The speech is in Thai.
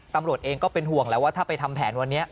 ตำรวจเองก็เป็นห่วงแล้วว่าถ้าไปทำแผนวันนี้